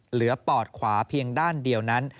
ปอดขวาเพียงด้านเดียวนั้น